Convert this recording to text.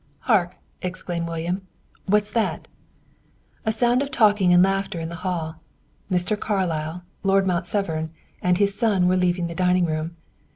"Hark!" exclaimed William. "What's that?" A sound of talking and laughter in the hall. Mr. Carlyle, Lord Mount Severn, and his son were leaving the dining room.